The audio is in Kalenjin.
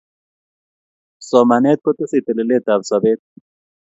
somanet kotesei telelet ap sapet